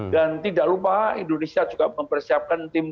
dan tidak lupa indonesia juga mempersiapkan tim tim muda